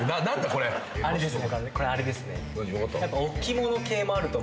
これあれですね。